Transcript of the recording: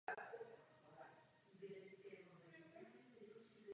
V současné době je budova bývalé školy po rekonstrukci.